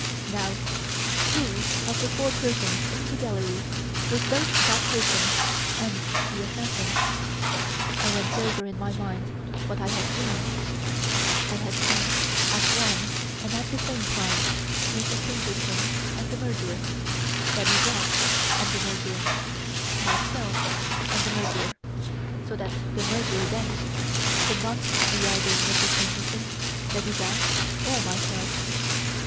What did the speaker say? "Now who of the four persons in the gallery was both that person and the assassin? I went over in my mind what I had seen. I had seen at one and the same time, Monsieur Stangerson and the murderer, Daddy Jacques and the murderer, myself and the murderer; so that the murderer, then, could not be either Monsieur Stangerson, Daddy Jacques, or myself.